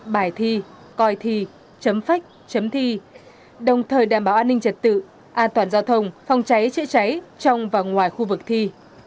bài thi coi thi chấm phách chấm thi đồng thời đảm bảo an ninh trật tự an toàn giao thông phòng cháy chữa cháy trong và ngoài khu vực thi